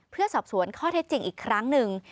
เพื่อสอบสวนข้อเท็จจริงอีกครั้งหนึ่ง